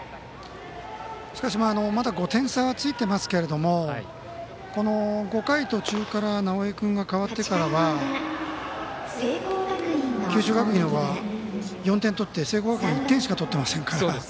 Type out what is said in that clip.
しかし５点差ついてますけれども５回途中から直江君が代わってからは九州学院は、４点取って聖光学院１点しか取ってませんから。